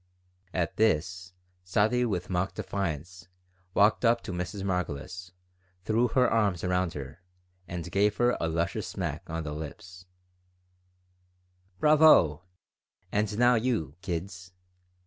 At this, Sadie, with mock defiance, walked up to Mrs. Margolis, threw her arms around her, and gave her a luscious smack on the lips "Bravo! And now you, kids!"